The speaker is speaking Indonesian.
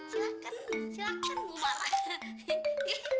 silahkan silahkan mau marah